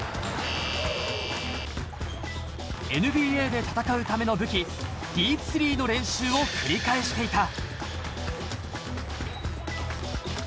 ＮＢＡで戦うための武器、ディープスリーの練習を繰り返していた。